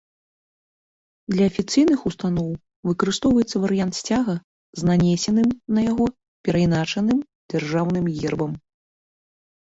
Для афіцыйных устаноў выкарыстоўваецца варыянт сцяга з нанесеным на яго перайначаным дзяржаўным гербам.